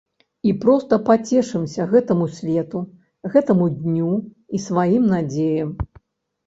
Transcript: І проста пацешымся гэтаму свету, гэтаму дню і сваім надзеям.